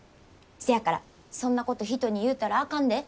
せやからそんなこと人に言うたらあかんで。